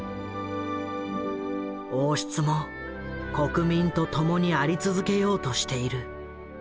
王室も国民と共にあり続けようとしている。